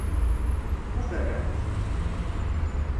Tekuferramt?